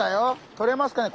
とれますかねえ